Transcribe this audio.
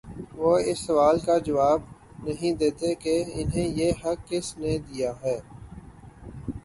وہ اس سوال کا جواب نہیں دیتے کہ انہیں یہ حق کس نے دیا ہے۔